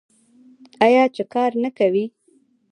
آیا چې کار نه کوي؟